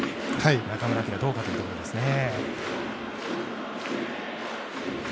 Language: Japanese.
中村晃、どうかというところですね。